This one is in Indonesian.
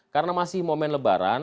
karena masih momen lebaran